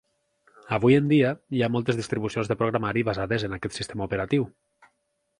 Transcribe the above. Avui en dia, hi ha moltes distribucions de programari basades en aquest sistema operatiu.